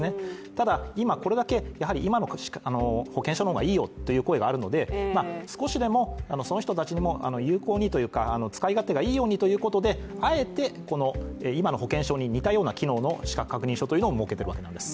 ただ、今これだけ今の保険証の方がいいよという声があるので少しでもその人たちにも有効にというか使い勝手がいいようにということであえて今の保険証に似たような機能の資格確認書というものをもうけているわけです。